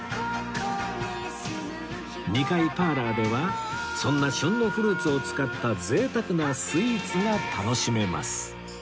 ２階パーラーではそんな旬のフルーツを使った贅沢なスイーツが楽しめます